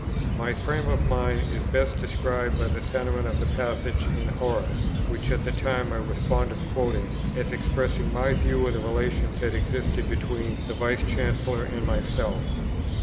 My frame of mind is best described by the sentiment of the passage in Horace, which at the time I was fond of quoting, as expressing my view of the relation that existed between the Vice Chancellor and myself.